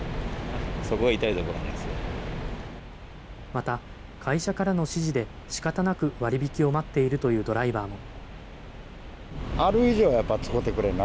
また会社からの指示で、しかたなく割引を待っているというドライバーも。